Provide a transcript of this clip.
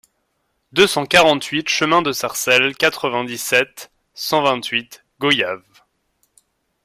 deux cent quarante-huit chemin de Sarcelle, quatre-vingt-dix-sept, cent vingt-huit, Goyave